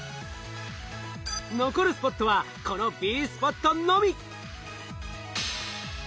残るスポットはこのＢスポットのみ。